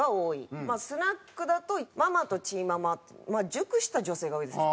スナックだとママとチーママまあ熟した女性が多いですね。